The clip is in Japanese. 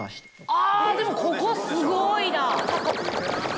あでもここすごいな！